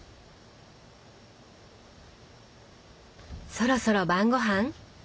そろそろ晩ごはん？